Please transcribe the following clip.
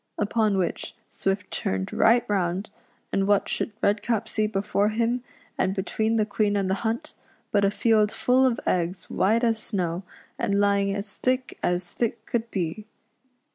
Upon which Swift turned right round, and what should Redcap see before him, and between the Queen and the hunt, but a field full of eggs white as snow, and lying as thick as thick could be.